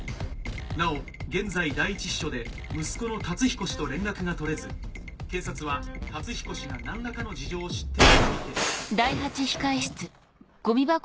なお現在第一秘書で息子の龍彦と連絡が取れず警察は龍彦が何らかの事情を知っているとみて。